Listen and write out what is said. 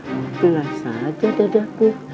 setelah saja dadaku